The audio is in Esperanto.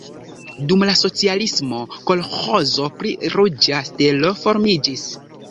Dum la socialismo kolĥozo pri Ruĝa Stelo formiĝis.